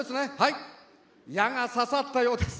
矢がささったようです。